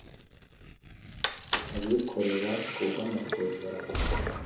abikorera ku bw amasezerano